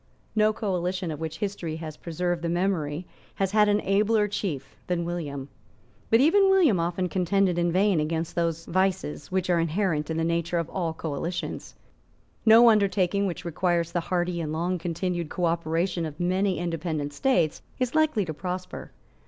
No coalition of which history has preserved the memory has had an abler chief than William. But even William often contended in vain against those vices which are inherent in the nature of all coalitions. No undertaking which requires the hearty and long continued cooperation of many independent states is likely to prosper.